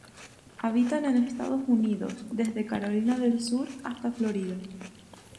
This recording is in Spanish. Habitan en Estados Unidos, desde Carolina del Sur hasta Florida.